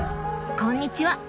こんにちは。